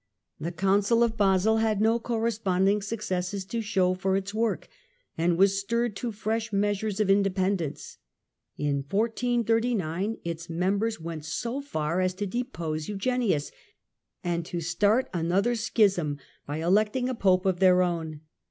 The Council of Basle had no corresponding successes to show for its work, and was stirred to fresh measures of Council of independence. In 1439 its members went so far as to de FeUx v!*as posc Eugeuius, and to start another Schism by electing a us9^^^^' Pope of their own.